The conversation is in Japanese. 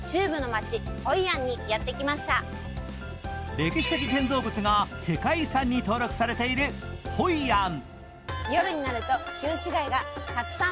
歴史的建造物が世界遺産に登録されているホイアン。